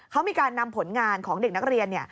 เขามีการนำผลงานของเด็กนักเรียน